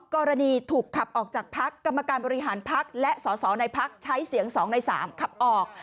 กรณีถูกขับออกจากพักกรรมการบริหารพักและสอสอในพักใช้เสียง๒ใน๓ขับออก